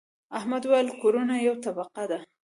احمد وويل: کورونه یوه طبقه دي.